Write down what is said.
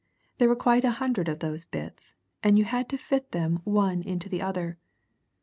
There were quite a hundred of those bits, and you had to fit them one into the other.